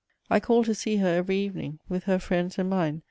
I called to see her every evening, with her friends and mine, M.